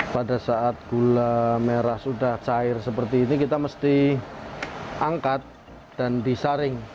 pada saat gula merah sudah cair seperti ini kita mesti angkat dan disaring